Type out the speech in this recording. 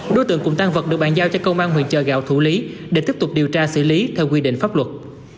đối tượng cùng tan vật được bàn giao cho công an huyện chợ gạo thủ lý để tiếp tục điều tra xử lý theo quy định pháp luật